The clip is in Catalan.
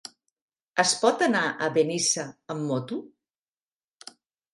Es pot anar a Benissa amb moto?